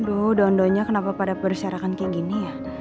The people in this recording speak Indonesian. aduh daun daunnya kenapa pada berserakan kayak gini ya